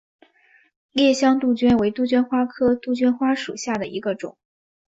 烈香杜鹃为杜鹃花科杜鹃花属下的一个种。